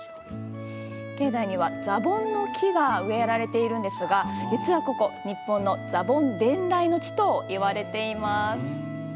境内には、ザボンの木が植えられているんですが実はここ、日本のザボン伝来の地といわれています。